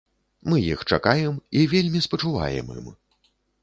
Мы іх чакаем і вельмі спачуваем ім.